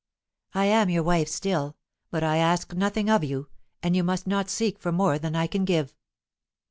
"I am your wife still; but I ask nothing of you, and you must not seek for more than I can give."